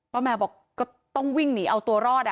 แมวบอกก็ต้องวิ่งหนีเอาตัวรอด